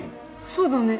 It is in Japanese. そうだね。